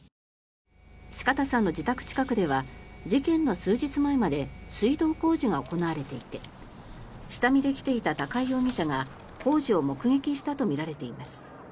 四方さんの自宅近くでは事件の数日前まで水道工事が行われていて下見で来ていた高井容疑者が工事を目撃したとみられています。